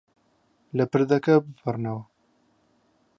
لە پردەکە بپەڕنەوە.